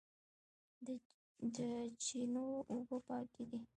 د چینو اوبه پاکې دي